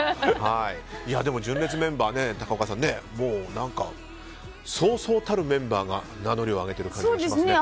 でも純烈メンバーね、高岡さんそうそうたるメンバーが名乗りを上げてる感じしますね。